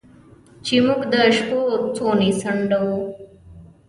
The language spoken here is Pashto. چې موږ د شپو څوڼې څنډو